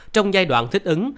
trong giai đoạn thích ứng